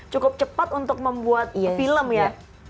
cukup cepat untuk membuat film ya